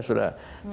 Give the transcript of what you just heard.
sudah padam semua